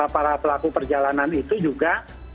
para pelaku perjalanan itu juga